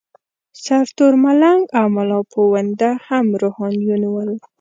سرتور ملنګ او ملاپوونده هم روحانیون ول.